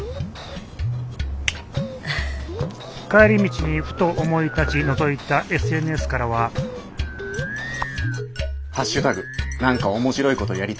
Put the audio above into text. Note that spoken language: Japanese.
帰り道にふと思い立ちのぞいたＳＮＳからは「＃なんか面白いことやりたい人この指止まれ。